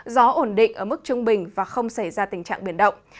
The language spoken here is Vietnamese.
gió ổn định ở mức trung bình và không xảy ra tình trạng biển động